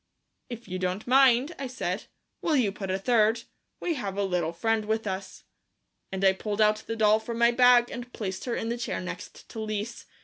"If you don't mind," I said, "will you put a third; we have a little friend with us." And I pulled out the doll from my bag and placed her in the chair next to Lise.